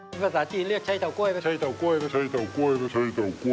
ในภาษาจีนเรียกใช่เตา้โก้ยเป็น